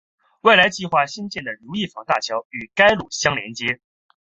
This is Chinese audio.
未来计划兴建的如意坊大桥与该路相连接。